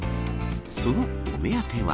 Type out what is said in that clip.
そのお目当ては。